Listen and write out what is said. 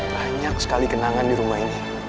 banyak sekali kenangan di rumah ini